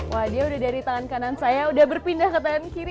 wah dia udah dari tangan kanan saya udah berpindah ke tangan kiri